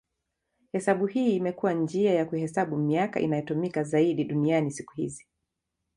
Hesabu hii imekuwa njia ya kuhesabu miaka inayotumika zaidi duniani siku hizi.